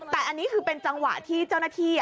แต่อันนี้คือเป็นจังหวะที่เจ้าหน้าที่